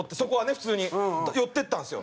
普通に寄っていったんですよ。